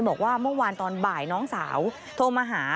บอกว่าเมื่อวานตอนบ่ายน้องสาวโทรมาหา